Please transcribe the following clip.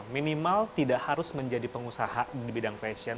minimal tidak harus menjadi pengusaha di bidang fashion